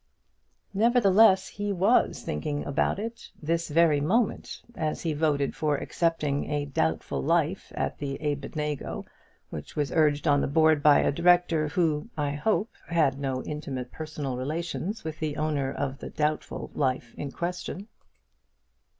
Nevertheless he was thinking about it this very moment, as he voted for accepting a doubtful life at the Abednego, which was urged on the board by a director, who, I hope, had no intimate personal relations with the owner of the doubtful life in question.